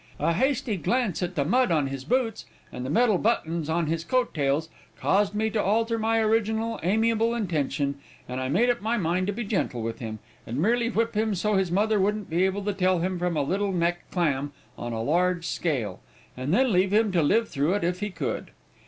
A hasty glance at the mud on his boots, and the metal buttons on his coat tails, caused me to alter my original amiable intention, and I made up my mind to be gentle with him, and merely whip him so his mother wouldn't be able to tell him from a Little Neck clam on a large scale, and then leave him to live through it if he could.